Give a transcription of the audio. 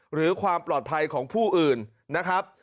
หรือความปลอดภัยของผู้อื่นนะครับ